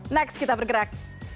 next kita bergerak